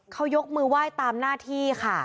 เขายกมือไหว้ตามหน้าที่ค่ะ